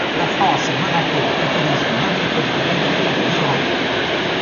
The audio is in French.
La France et Monaco utilisent une monnaie commune, l'euro.